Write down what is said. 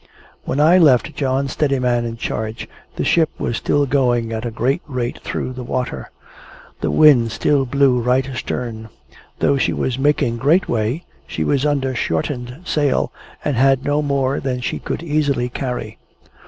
When I left John Steadiman in charge, the ship was still going at a great rate through the water. The wind still blew right astern. Though she was making great way, she was under shortened sail, and had no more than she could easily carry.